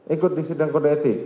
ikut di sidang kode etik